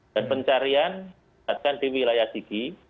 dan pencarian di wilayah siki